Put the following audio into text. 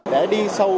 đã đi sâu